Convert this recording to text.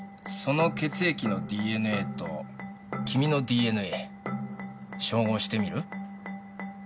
その血液のＤＮＡと君のＤＮＡ照合してみる？